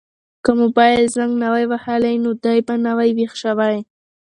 که موبایل زنګ نه وای وهلی نو دی به نه وای ویښ شوی.